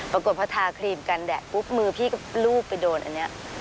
ปรากฏพอทาครีมกันแดดปุ๊บมือพี่ก็ลูบไปโดนอันนี้